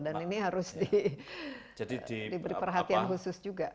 dan ini harus diberi perhatian khusus juga